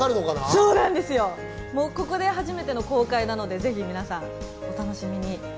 そうなんですよ、初めての公開なので、ぜひ皆さんお楽しみに。